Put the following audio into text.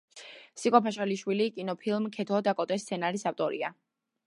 სიკო ფაშალიშვილი კინოფილმ „ქეთო და კოტეს“ სცენარის ავტორია.